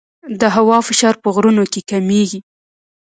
د هوا فشار په غرونو کې کمېږي.